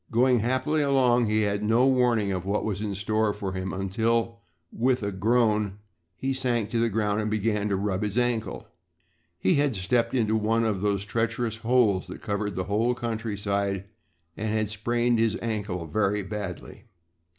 Going happily along he had no warning of what was in store for him until, with a groan, he sank to the ground and began to rub his ankle. He had stepped into one of those treacherous holes that covered the whole countryside and had sprained his ankle very badly.